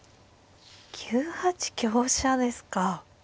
９八香車ですか。